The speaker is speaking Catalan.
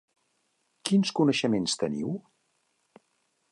Quins coneixements teniu?